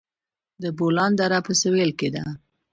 د بولان دره په سویل کې ده